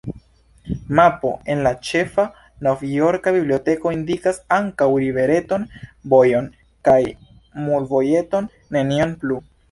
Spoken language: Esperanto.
Mapo en la ĉefa novjorka biblioteko indikas ankaŭ rivereton, vojon kaj mulvojeton, nenion plu.